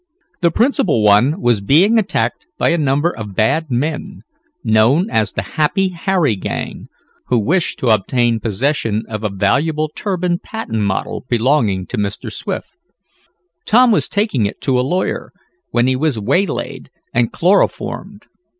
The principal one was being attacked by a number of bad men, known as the "Happy Harry Gang," who wished to obtain possession of a valuable turbine patent model belonging to Mr. Swift. Tom was taking it to a lawyer, when he was waylaid, and chloroformed.